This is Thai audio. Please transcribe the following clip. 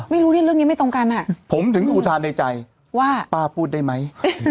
ไม่รู้เนี่ยเรื่องนี้ไม่ตรงกันอ่ะผมถึงอุทานในใจว่าป้าพูดได้ไหม